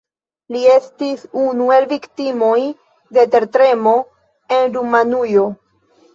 Li estis unu el viktimoj de tertremo en Rumanujo.